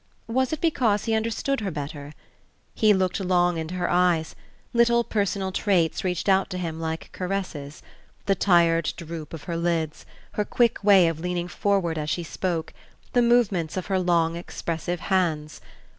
Was it because he understood her better? He looked long into her eyes; little personal traits reached out to him like caresses the tired droop of her lids, her quick way of leaning forward as she spoke, the movements of her long expressive hands.